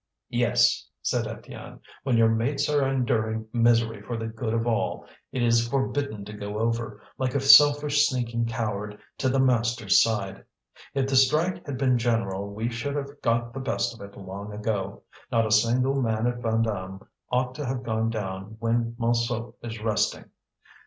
"Yes!" said Étienne, "when your mates are enduring misery for the good of all, it is forbidden to go over, like a selfish sneaking coward, to the masters' side. If the strike had been general we should have got the best of it long ago. Not a single man at Vandame ought to have gone down when Montsou is resting.